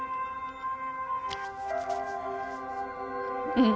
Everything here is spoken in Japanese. うん。